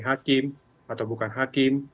hakim atau bukan hakim